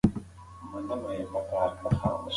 ښوونکي وویل چې ژبه ارزښت لري.